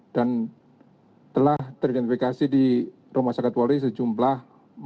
dan telah teridentifikasi di rumah sakit polri sejumlah empat